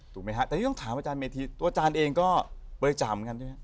ถูกไหมฮะแต่นี่ต้องถามอาจารย์เมธีตัวอาจารย์เองก็บริจาคเหมือนกันใช่ไหม